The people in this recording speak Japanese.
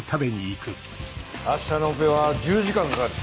明日のオペは１０時間かかる。